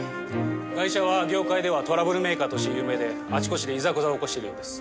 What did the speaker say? ガイシャは業界ではトラブルメーカーとして有名であちこちでいざこざを起こしてるようです。